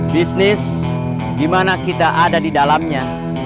bisnis di mana kita ada di dalamnya